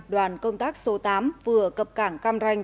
đoàn công tác số tám vừa cập cảng cam ranh